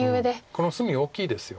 この隅大きいですよね。